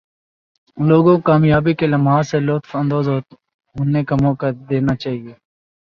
لوگوں کو کامیابی کے لمحات سے لطف اندواز ہونے کا موقع دینا چاہئے